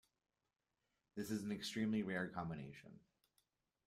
This is an extremely rare combination.